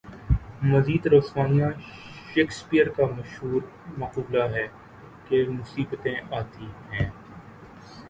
مزید رسوائیاں شیکسپیئر کا مشہور مقولہ ہے کہ مصیبتیں آتی ہیں۔